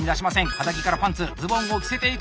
肌着からパンツズボンを着せていく。